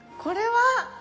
これは！